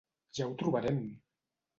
Ja ho trobarem!